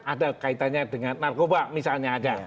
ada kaitannya dengan narkoba misalnya ada